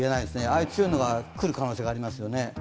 ああいう強いのが来る可能性はありますね。